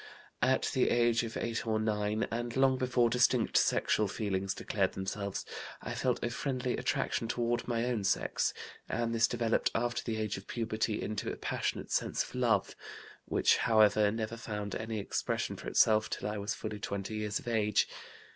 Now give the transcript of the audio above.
"At the age of 8 or 9, and long before distinct sexual feelings declared themselves, I felt a friendly attraction toward my own sex, and this developed after the age of puberty into a passionate sense of love, which, however, never found any expression for itself till I was fully 20 years of age.